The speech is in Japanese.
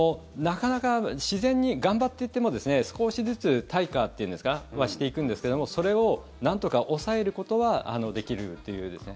なかなか自然に頑張っていても少しずつ退化というんですか？はしていくんですけどもそれをなんとか抑えることはできるという。